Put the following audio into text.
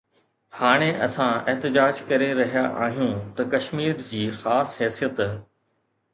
هاڻي اسان احتجاج ڪري رهيا آهيون ته ڪشمير جي خاص حيثيت